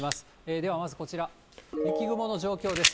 ではまずこちら、雪雲の状況です。